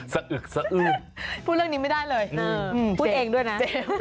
อึกสะอื้นพูดเรื่องนี้ไม่ได้เลยพูดเองด้วยนะ